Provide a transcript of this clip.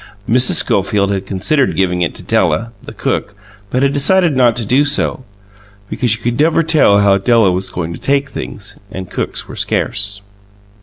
Mrs. Schofield had considered giving it to Della, the cook; but had decided not to do so, because you never could tell how Della was going to take things, and cooks were scarce.